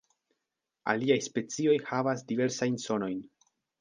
Aliaj specioj havas diversajn sonojn.